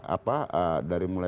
apa dari mulai